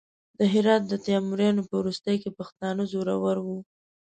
د هرات د تیموریانو په وروستیو کې پښتانه زورور وو.